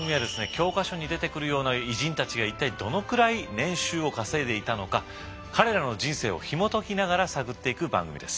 教科書に出てくるような偉人たちが一体どのくらい年収を稼いでいたのか彼らの人生をひもときながら探っていく番組です。